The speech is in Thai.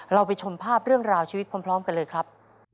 เราไปชมภาพเรื่องราวชีวิตพร้อมกันเลยครับ